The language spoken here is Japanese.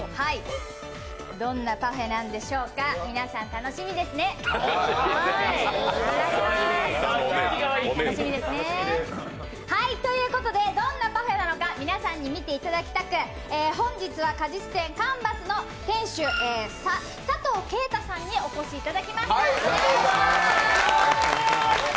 どんなパフェなんでしょうか、皆さん楽しみですね。ということでどんなパフェなのか皆さんに見ていただきたく本日は果実店ｃａｎｖａｓの店主、佐藤圭太さんにお越しいただきました。